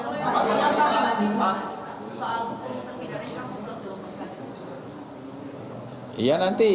soal sebutan pindah resna sunda dua puluh kali